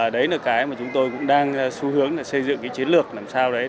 đấy là cái mà chúng tôi cũng đang xu hướng là xây dựng cái chiến lược làm sao đấy